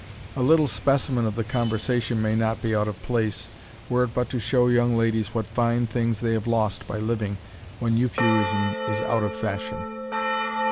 A little specimen of the conversation may not be out of place, were it but to show young ladies what fine things they have lost by living when Euphuism is out of fashion.